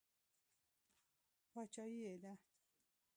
باچایي یې ده.